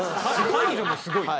彼女もすごいね。